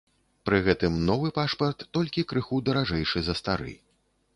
Пры гэтым новы пашпарт толькі крыху даражэйшы за стары.